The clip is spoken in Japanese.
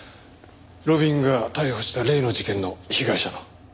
路敏が逮捕した例の事件の被害者の。